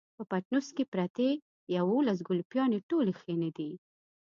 په پټنوس کې پرتې يوولس ګلپيانې ټولې ښې نه دي.